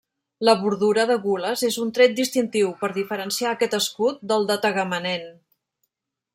La bordura de gules és un tret distintiu, per diferenciar aquest escut del de Tagamanent.